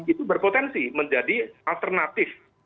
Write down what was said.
itu berpotensi menjadi alternatif